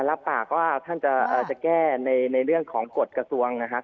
รับปากว่าท่านจะแก้ในเรื่องของกฎกระทรวงนะครับ